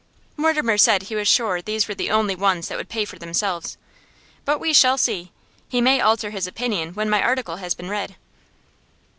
Mortimer said he was sure these were the only ones that would pay for themselves. But we shall see. He may alter his opinion when my article has been read.